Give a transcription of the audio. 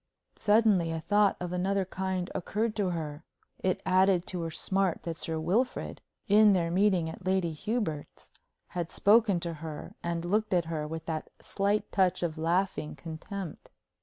Suddenly a thought of another kind occurred to her. It added to her smart that Sir Wilfrid, in their meeting at Lady Hubert's, had spoken to her and looked at her with that slight touch of laughing contempt.